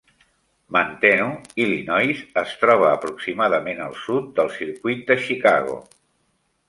Manteno, Illinois es troba aproximadament al sud del circuit de Chicago.